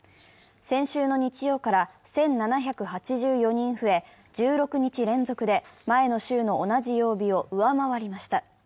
先週の日曜から１７８４人増え１６日連続で前の週の同じ曜日を上回りました。